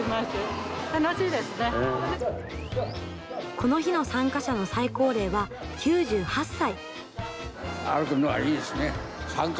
この日の参加者の最高齢は９８歳。